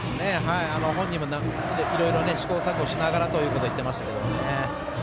本人もいろいろ試行錯誤しながらと言っていましたけどね。